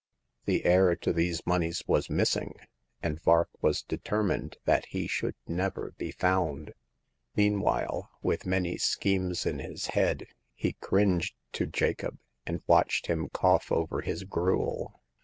The heir to these moneys was missing, and Vark was deter mined that he should never be found. Mean while, with many schemes in his head, he cringed to Jacob, and watched him cough over his gruel.